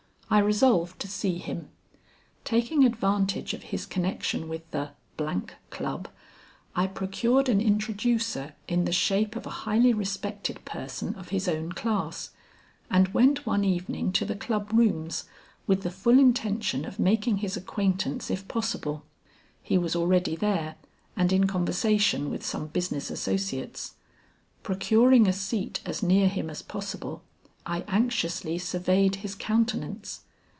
I resolved to see him. Taking advantage of his connection with the Club, I procured an introducer in the shape of a highly respected person of his own class, and went one evening to the Club rooms with the full intention of making his acquaintance if possible. He was already there and in conversation with some business associates. Procuring a seat as near him as possible, I anxiously surveyed his countenance.